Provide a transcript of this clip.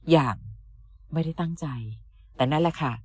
อย่างไม่ได้ตั้งใจแต่นั่นแหละค่ะ